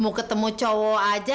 mau ketemu cowok aja